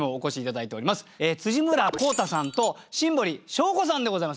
村幸多さんと新堀笙子さんでございます。